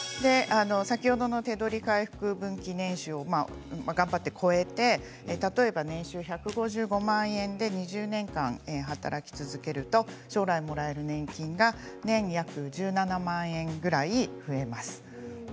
先ほどの手取り回復年収を頑張って超えて年収１５５万円で２０年間働き続けると将来もらえる年金が１年当たり１７万円くらい増えます。